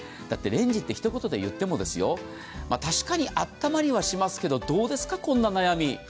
だってレンジって一言で言っても確かにあったまりはしますけどどうですか、こんな悩み。